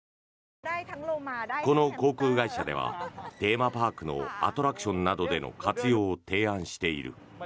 この航空会社ではテーマパークのアトラクションなどでの活用を提案している。